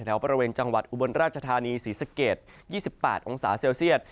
แถวบริเวณจังหวัดอุบลราชธานีศรีสะเกด๒๘องศาเซลเซียต